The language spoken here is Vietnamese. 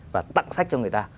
và tặng sách cho người ta